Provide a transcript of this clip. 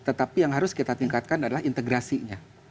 tetapi yang harus kita tingkatkan adalah integrasinya